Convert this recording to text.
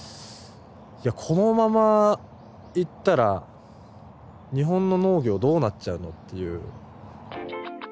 このままいったら日本の農業どうなっちゃうのっていう。